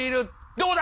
どうだ！